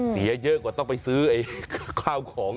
เสียเยอะกว่าต้องไปซื้อข้าวของ